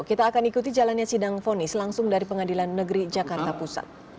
kita akan ikuti jalannya sidang fonis langsung dari pengadilan negeri jakarta pusat